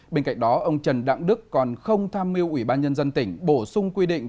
bên cạnh đó ông trần đặng đức còn không tham mưu ủy ban nhân dân tỉnh bổ sung quy định